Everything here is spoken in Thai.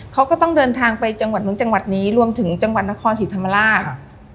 เขาก็ต้องเดินทางไปจังหวัดนู้นจังหวัดนี้รวมถึงจังหวัดนครศรีธรรมราช